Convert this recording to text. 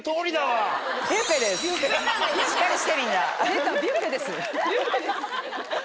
出た「ビュッフェです」。